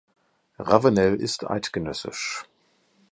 Ravenel ist eidg.